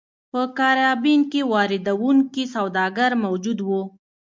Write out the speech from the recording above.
په کارابین کې واردوونکي سوداګر موجود وو.